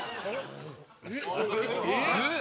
・えっ？